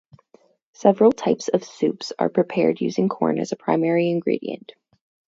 Several types of soups are prepared using corn as a primary ingredient.